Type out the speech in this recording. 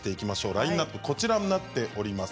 ラインナップはこちらになっております。